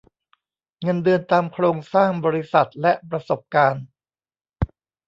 เงินเดือนตามโครงสร้างบริษัทและประสบการณ์